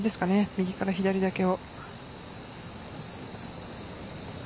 右から左だけを。